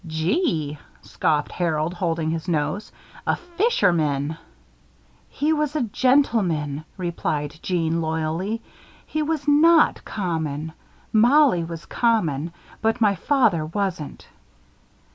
"Gee!" scoffed Harold, holding his nose. "A fishman!" "He was a gentleman," replied Jeanne, loyally. "He was not common. Mollie was common, but my father wasn't."